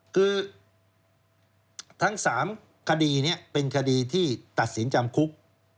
คือทั้ง๓คดีนี้เป็นคดีที่ตัดสินจำคุก